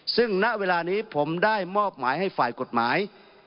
ซึ่งณเวลานี้ผมได้มอบหมายให้ฝ่ายกฎหมาย